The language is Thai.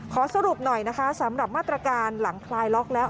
ขอสรุปหน่อยนะคะสำหรับมาตรการหลังคลายล็อกแล้ว